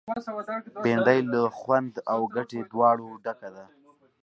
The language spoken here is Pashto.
بېنډۍ له خوند او ګټې دواړو ډکه ده